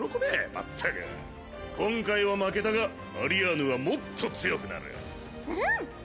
まったく今回は負けたがアリアーヌはもっと強くなるうん！